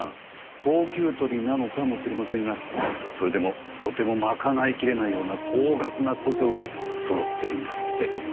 高給取りなのかもしれませんがそれでもとても賄いきれないような高額な古書がそろっているんですって。